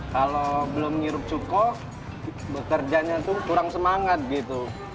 kalau belum ngirup cukko bekerjanya itu kurang semangat gitu